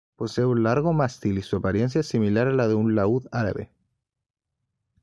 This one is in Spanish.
Posee un largo mástil y su apariencia es similar a la del laud árabe.